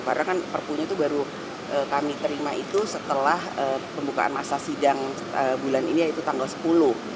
karena kan perpunya itu baru kami terima itu setelah pembukaan masa sidang bulan ini yaitu tanggal sepuluh